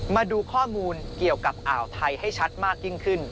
มาดูข้อมูลเกี่ยวกับอ่าวไทยให้ชัดมากยิ่งขึ้น